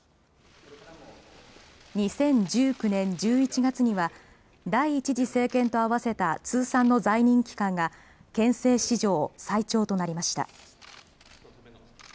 ２０１９年１１月には第１次政権と合わせた通算の在任期間が憲政史上、最長となりました。